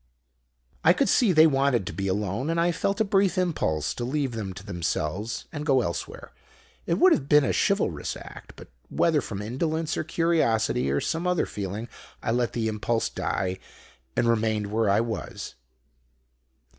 "I could see they wanted to be alone, and I felt a brief impulse to leave them to themselves and go elsewhere. It would have been a chivalrous act; but whether from indolence, or curiosity, or some other feeling, I let the impulse die, and remained where I was.